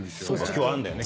今日あんだよね。